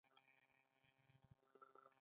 آیا د پښتنو په کلتور کې د ښځو تعلیم ته اړتیا نشته؟